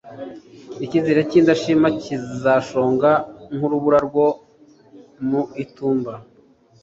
icyizere cy'indashima kizashonga nk'urubura rwo mu itumba